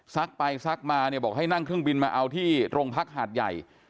ไปซักมาเนี่ยบอกให้นั่งเครื่องบินมาเอาที่โรงพักหาดใหญ่